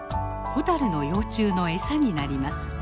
ホタルの幼虫の餌になります。